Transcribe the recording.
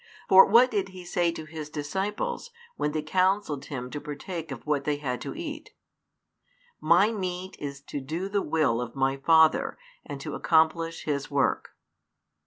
For what did He say to His disciples, when they counselled Him to partake of what they had to eat? My meat is to do the will of My Father, and to accomplish His work.